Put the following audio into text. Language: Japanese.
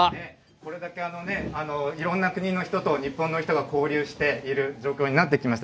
これだけいろんな国の人と、日本の人が交流している状況になってきました。